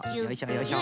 よいしょ。